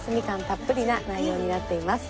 たっぷりな内容になっています。